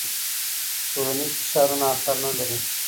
ټولنیز فشارونه اثر نه لري.